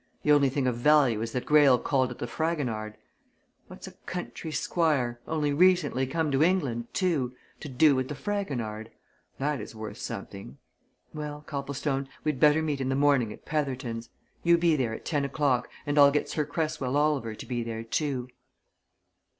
The only thing of value is that Greyle called at the Fragonard. What's a country squire only recently come to England, too! to do with the Fragonard? That is worth something. Well Copplestone, we'd better meet in the morning at Petherton's. You be there at ten o'clock, and I'll get Sir Cresswell Oliver to be there, too."